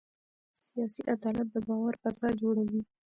سیاسي عدالت د باور فضا جوړوي